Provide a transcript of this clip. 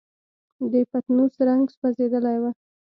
د پتنوس رنګ سوځېدلی و.